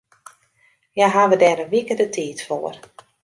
Hja hawwe dêr in wike de tiid foar.